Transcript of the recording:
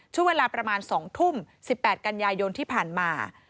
ช่วงเวลาประมาณ๒ทุ่ม๑๘กันยายนที่ผ่านมา